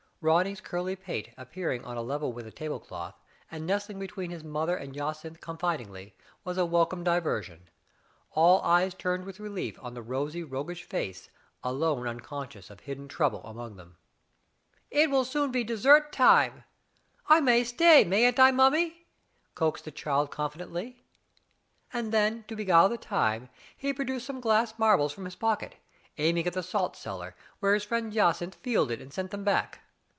Ronny's curly pate appearing on a level with the table cloth, and nestling between his mother and Jacynth confidingly, was a welcome diver sion. All eyes turned with relief on the rosy, roguish face, alone unconscious of hidden trouble among them. "It will soon be dessert time; I may stay, mayn't I, mummy?" coaxed the child confidently. Then to beguile the time, he produced some glass marbles from his pocket, aiming at the salt cellar, where his friend Jacynth fielded and sent them back.